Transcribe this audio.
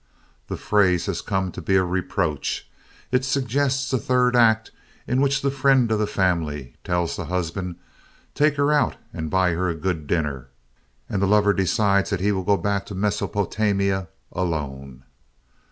The phrase has come to be a reproach. It suggests a third act in which the friend of the family tells the husband, "Take her out and buy her a good dinner," and the lover decides that he will go back to Mesopotamia "Alone!"